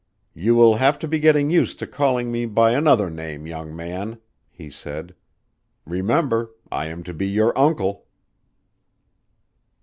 "You will have to be getting used to calling me by another name, young man," he said. "Remember I am to be your uncle."